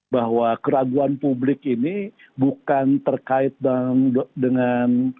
bahwa keraguan publik ini bukan terkait dengan